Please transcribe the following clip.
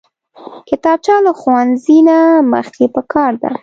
کتابچه له ښوونځي نه مخکې پکار ده